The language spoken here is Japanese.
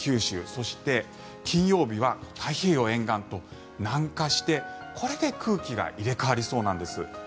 そして、金曜日は太平洋沿岸と南下してこれで空気が入れ替わりそうなんです。